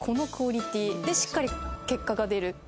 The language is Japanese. でしっかり結果が出る。